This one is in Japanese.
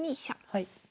はい。